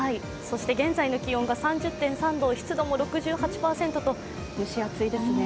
現在の気温が３０．３度、湿度も６８％と、蒸し暑いですね。